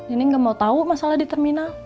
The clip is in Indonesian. ini nggak mau tahu masalah di terminal